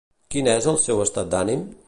Quin és el seu estat d'ànim?